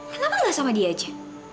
kenapa nggak sama dia aja